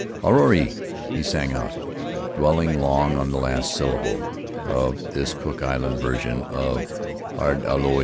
"Arari! 9 he sang out, dwelling long on the last syllable of this Cook Island version of 'hard alee."